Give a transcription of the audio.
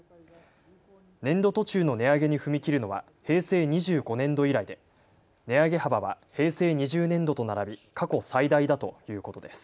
年度途中の値上げに踏み切るのは平成２５年度以来で値上げ幅は平成２０年度と並び過去最大だということです。